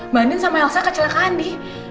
bandin sama elsa kecelakaan nih